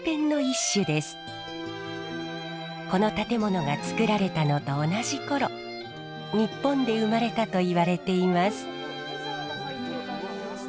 この建物がつくられたのと同じ頃日本で生まれたといわれています。